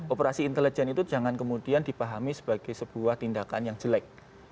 operasi intelijen itu jangan kemudian dipahami sebagai sebuah tindakan yang jelek